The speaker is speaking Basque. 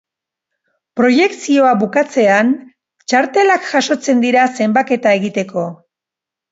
Proiekzioa bukatzean, txartelak jasotzen dira zenbaketa egiteko.